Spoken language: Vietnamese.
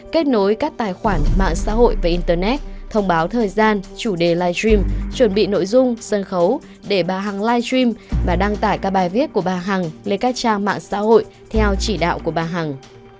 kết nối các tài khoản mạng xã hội và internet thông báo thời gian chủ đề live stream chuẩn bị nội dung sân khấu để bà hằng live stream và đăng tải các bài viết của bà hằng lên các trang mạng xã hội theo chỉ đạo của bà hằng